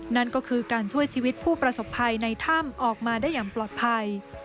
นั่นก็คือการช่วยชีวิตผู้ประสบภัยในถ้ำออกมาได้อย่างปลอดภัย